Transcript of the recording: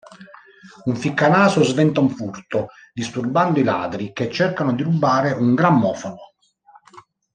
Un ficcanaso sventa un furto, disturbando i ladri che cercano di rubare un grammofono.